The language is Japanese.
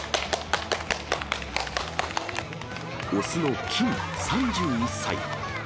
雄のキン３１歳。